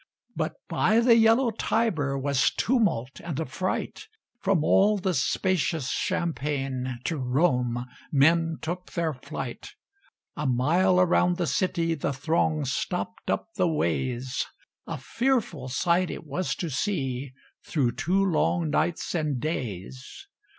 But by the yellow Tiber Was tumult and affright: From all the spacious champaign To Rome men took their flight. A mile around the city The throng stopped up the ways; A fearful sight it was to see, Through two long nights and days.